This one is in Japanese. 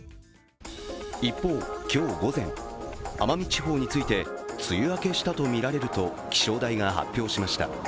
一方、今日午前、奄美地方について梅雨明けしたとみられると気象台が発表しました。